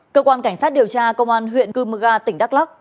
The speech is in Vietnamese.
cảnh sát điều tra công an huyện cư mơ ga tỉnh đắk lắc